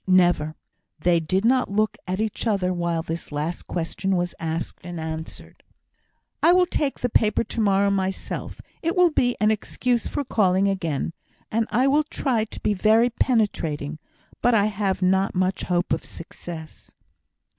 "Never!" They did not look at each other while this last question was asked and answered. "I will take the paper to morrow myself; it will be an excuse for calling again, and I will try to be very penetrating; but I have not much hope of success."